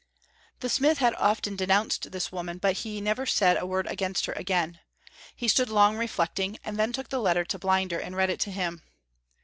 '" The smith had often denounced this woman, but he never said a word against her again. He stood long reflecting, and then took the letter to Blinder and read it to him.